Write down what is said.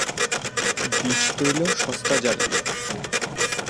বীজ-তৈল সস্তা জ্বালানি।